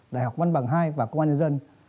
đại học văn bằng hai và công an nhân dân